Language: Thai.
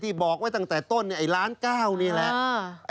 บอกไว้ตั้งแต่ต้นไอ้ล้านเก้านี่แหละ